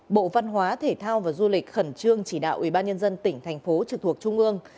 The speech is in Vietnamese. bộ văn hóa thể thao và du lịch khẩn trương chỉ đạo ủy ban nhân dân tỉnh thành phố trực thuộc trung ương